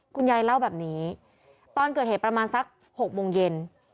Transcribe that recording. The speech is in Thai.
คุณยายเล่าแบบนี้ตอนเกิดเหตุประมาณสัก๖โมงเย็น